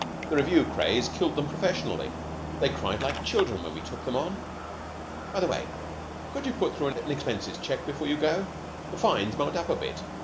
The Revue craze killed them professionally. They cried like children when we took them on. "By the way, could you put through an expenses cheque before you go? The fines mount up a bit.